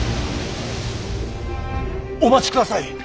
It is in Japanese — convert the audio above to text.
お待ちください。